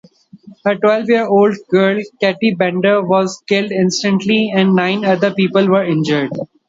A twelve-year-old girl, Katie Bender, was killed instantly, and nine other people were injured.